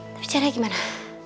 tapi caranya gimana